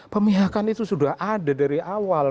pemihakan itu sudah ada dari awal